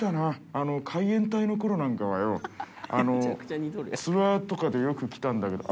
あの海援隊のころなんかはよ、ツアーとかでよく来たんだけど。